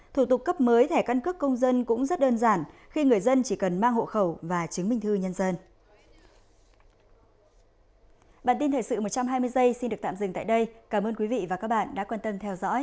thủ tục cấp mới thẻ căn cước công dân cũng rất đơn giản khi người dân chỉ cần mang hộ khẩu và chứng minh thư nhân dân